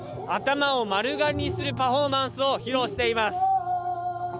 頭を丸刈りにするパフォーマンスを披露しています。